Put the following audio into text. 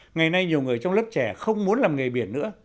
ngày nay nhiều người trong lớp trẻ không muốn làm nghề biển nữa